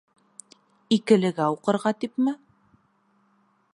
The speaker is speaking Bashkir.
«Икеле»гә уҡырға типме?